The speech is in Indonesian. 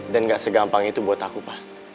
dan gak segampang itu buat aku pa